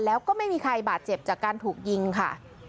แล้วก็ไม่มีใครบาดเจ็บจากการถูกยิงค่ะ